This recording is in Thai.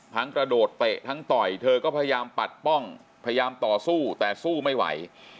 กระโดดเตะทั้งต่อยเธอก็พยายามปัดป้องพยายามต่อสู้แต่สู้ไม่ไหว